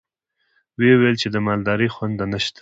ويې ويل چې د مالدارۍ خونده نشته.